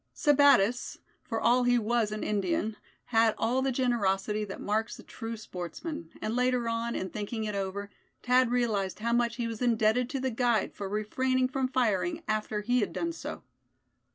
Sebattis, for all he was an Indian, had all the generosity that marks the true sportsman; and later on, in thinking it over, Thad realized how much he was indebted to the guide for refraining from firing after he had done so.